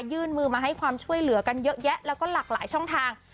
ยื่นมือมาให้ความช่วยเหลือกันเยอะแยะแล้วก็หลากหลายช่องทาง